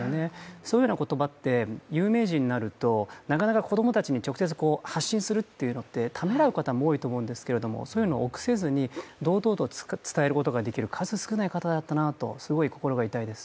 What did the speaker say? そういうような言葉って有名人になるとなかなか子供たちに発信することをためらう方も多いと思うんですけど、臆せずに堂々と伝えることができる数少ない方だったなと、すごい心が痛いです。